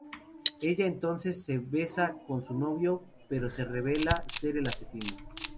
Ella entonces se besa con su novio, pero se revela ser el asesino.